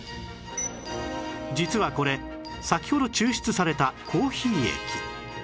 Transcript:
実はこれ先ほど抽出されたコーヒー液